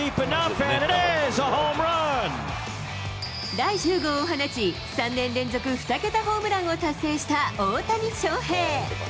第１０号を放ち、３年連続２桁ホームランを達成した大谷翔平。